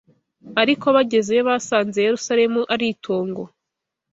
Ariko bagezeyo basanze Yerusalemu ari itongo